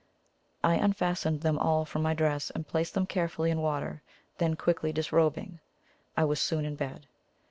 I unfastened them all from my dress, and placed them carefully in water; then quickly disrobing, I was soon in bed.